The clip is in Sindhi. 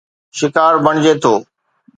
شڪار بڻجي ٿو